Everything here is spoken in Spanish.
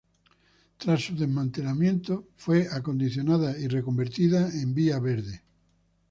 Tras su desmantelamiento fue acondicionada y reconvertida en Vía Verde.